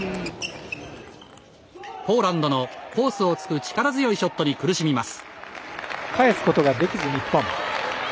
ポーランドのコースをつく力強いショットに苦しみます。